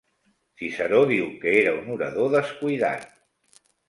Ciceró diu que era un orador descuidat.